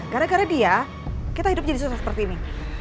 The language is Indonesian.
gara gara dia kita hidup jadi susah seperti ini